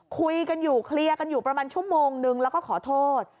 คุยกันอยู่เคลียร์กันอยู่ประมาณชั่วโมงนึงแล้วก็ขอโทษ